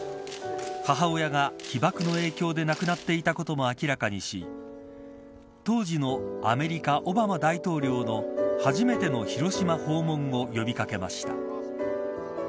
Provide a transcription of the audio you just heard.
母親が被爆の影響で亡くなっていたことも明らかにし当時のアメリカ、オバマ大統領の初めての広島訪問を呼び掛けました。